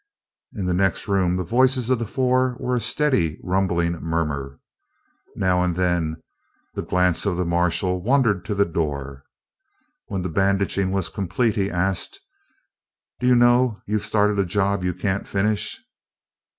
In the next room the voices of the four were a steady, rumbling murmur. Now and then the glance of the marshal wandered to the door. When the bandaging was completed, he asked, "Do you know you've started a job you can't finish?"